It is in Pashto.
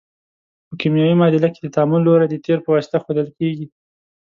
په کیمیاوي معادله کې د تعامل لوری د تیر په واسطه ښودل کیږي.